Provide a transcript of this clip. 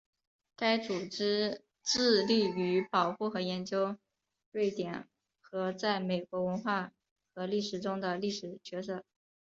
该组织致力于保护和研究瑞典和在美国文化和历史中的历史角色。